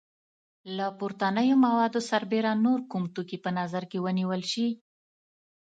له پورتنیو موادو سربیره نور کوم توکي په نظر کې ونیول شي؟